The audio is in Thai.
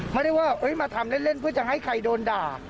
ไม่ได้ว่ามาทำเล่นเพื่อจะให้ใครโดนด่า